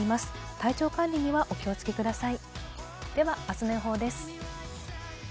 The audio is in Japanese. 体調管理にはお気をつけください。